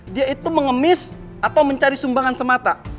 dia itu mengemis atau mencari sumbangan semata